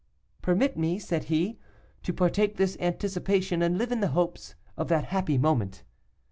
'Permit me,' said he, 'to partake this anticipation and live in the hopes of that happy moment.